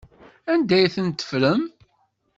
Anda ay ten-teffrem?